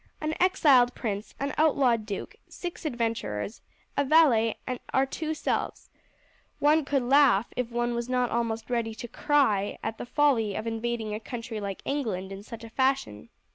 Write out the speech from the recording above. An exiled prince, an outlawed duke, six adventurers, a valet, and our two selves. One could laugh if one was not almost ready to cry at the folly of invading a country like England in such a fashion."